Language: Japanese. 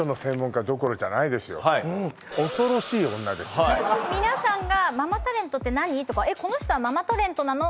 このお方はもう皆さんが「ママタレントって何？」とか「この人はママタレントなの？」